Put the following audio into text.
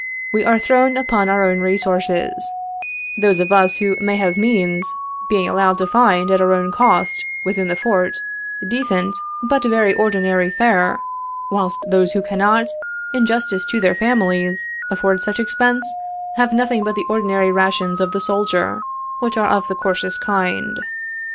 We are thrown upon our own resources — those of us who may have means, being allowed to find, at our own cost, within the Fort, decent, but very ordinary fare, whilst those who cannot, in justice to their families, afford such expense, have nothing but the ordinary rations of the soldier, which are of the coarsest kind.